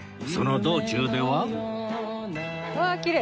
その道中では